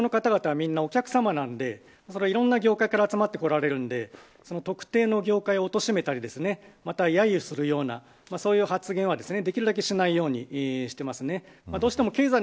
すなわち聴衆の方々は皆さんお客さまなのでいろんな業界から集まってこられるので特定の業界をおとしめたり、やゆするようなそういう発言はできるだけしないようにしています。